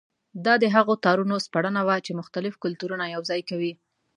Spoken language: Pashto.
دا د هغو تارونو سپړنه وه چې مختلف کلتورونه یوځای کوي.